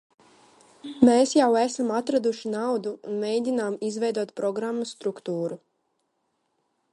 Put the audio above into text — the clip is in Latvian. Mēs jau esam atraduši naudu un mēģinām izveidot programmas struktūru.